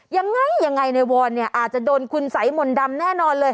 ยังไงในวรเนี่ยอาจจะโดนคุณสายหม่นดำแน่นอนเลย